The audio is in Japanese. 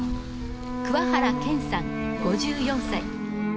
桑原健さん５４歳。